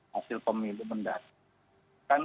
hasil pemilu mendatang